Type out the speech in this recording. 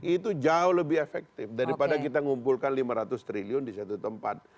itu jauh lebih efektif daripada kita ngumpulkan lima ratus triliun di satu tempat